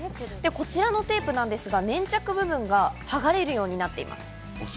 こちらのテープですが、粘着部分がはがれるようになっています。